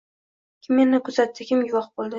Kim yana kuzatdi, kim guvoh bo’ldi?